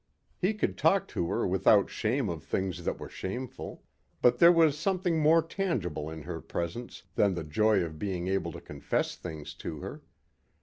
He could talk to her without shame of things that were shameful. But there was something more tangible in her presence than the joy of being able to confess things to her.